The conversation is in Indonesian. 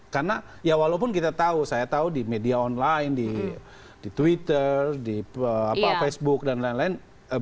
karena ya walaupun kita tahu saya tahu di media online di twitter di facebook dan lain lain